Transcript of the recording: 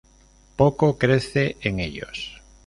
Poco crece en ellos.